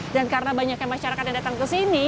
dan karena banyaknya masyarakat yang datang ke sini